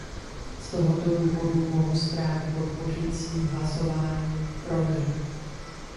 Z tohoto důvodu mohu zprávu podpořit svým hlasováním pro ni.